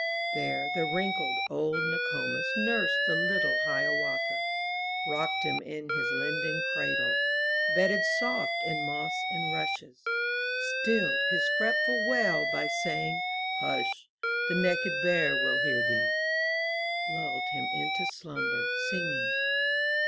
There the wrinkled, old Nok6mis Nursed the little Hiawatha, Rocked him in his linden cradle. Bedded soft in moss and rushes, Stilled his fretful wail by saying, Hush! the Naked Bear will hear theeT' Lulled him into slumber, singing.